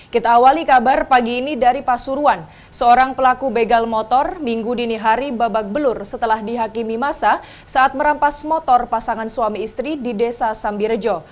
kita awali kabar pagi ini dari pasuruan seorang pelaku begal motor minggu dini hari babak belur setelah dihakimi masa saat merampas motor pasangan suami istri di desa sambirejo